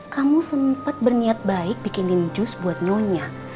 kamu sempat berniat baik bikinin jus buat nyonya